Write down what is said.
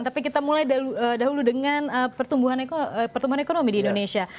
tapi kita mulai dahulu dengan pertumbuhan ekonomi di indonesia